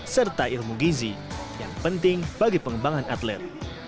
serta ilmu gizi yang penting bagi pengembangan atlet